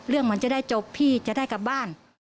มันจะได้จบพี่จะได้กลับบ้าน